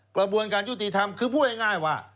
กระบวนการยุติธรรมคือพูดง่ายว่า